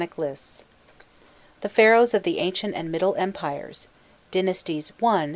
] APPENDIX THE PHARAOHS OF THE ANCIENT AND MIDDLE EMPIRES (Dynasties I. XIV.)